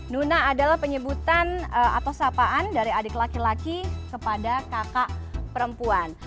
nuna adalah penyebutan atau sapaan dari adik laki laki kepada kakak perempuan